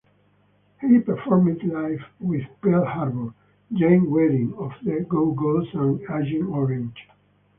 He performed live with Pearl Harbor, Jane Wiedlin of The Go-Go's, and Agent Orange.